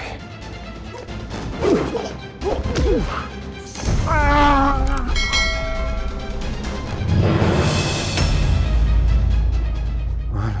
tidak ada yang perlu dijelaskan lagi